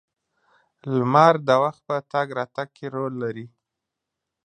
• لمر د وخت په تګ راتګ کې رول لري.